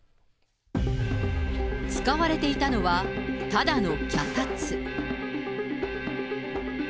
使われていたのは、ただの脚立。